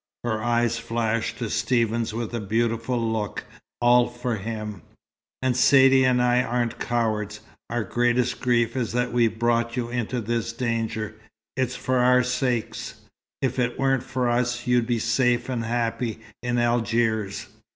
Her eyes flashed to Stephen's with a beautiful look, all for him. "And Saidee and I aren't cowards. Our greatest grief is that we've brought you into this danger. It's for our sakes. If it weren't for us, you'd be safe and happy in Algiers."